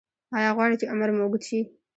ایا غواړئ چې عمر مو اوږد شي؟